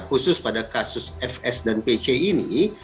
khusus pada kasus fs dan pc ini